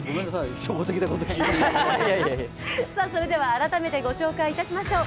改めてご紹介いたしましょう。